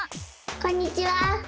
こんにちは！